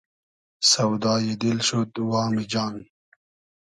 سۆدای دیل شود وامی جان